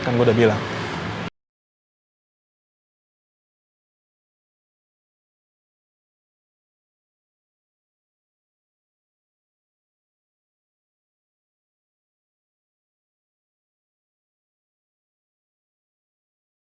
kan gue udah bilang